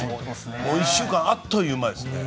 １週間あっという間ですね。